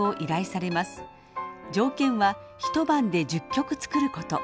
条件は一晩で１０曲作る事。